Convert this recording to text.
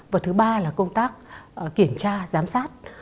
và thứ ba là công tác kiểm tra giám sát